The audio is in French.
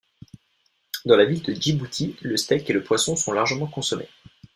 Dans la ville de Djibouti, le steak et le poisson sont largement consommés.